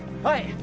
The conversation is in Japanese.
はい！